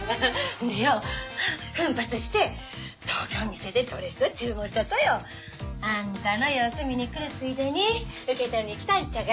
でよ奮発して東京ん店でドレス注文したとよ。あんたの様子見にくるついでに受け取りに来たんちゃが。